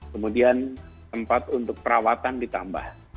kemudian tempat untuk perawatan ditambah